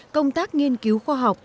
công tác nghiên cứu khoa học